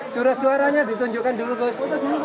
curah suaranya ditunjukkan dulu gus